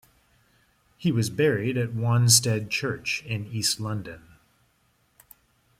He was buried at Wanstead Church in east London.